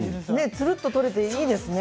つるっと取れていいですね